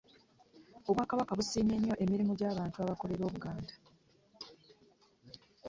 Obwakabaka busimye nnyo emirimu gy'abantu abakolera obuganda.